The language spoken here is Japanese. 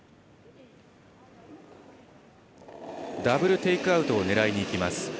ダブルテイクアウトを狙いにいきます